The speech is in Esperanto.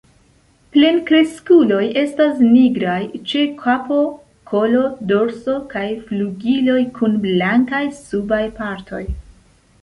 Plenkreskuloj estas nigraj ĉe kapo, kolo, dorso kaj flugiloj kun blankaj subaj partoj.